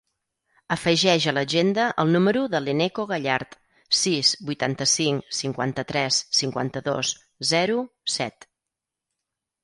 Afegeix a l'agenda el número de l'Eneko Gallart: sis, vuitanta-cinc, cinquanta-tres, cinquanta-dos, zero, set.